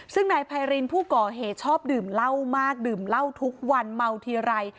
ซึ่งนายไพรินผู้ก่อเหตุชอบดื่มเหล้ามากดื่มเหล้าทุกวันเมาทีไร